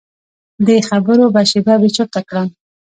دې خبرو به شیبه بې چرته کړم.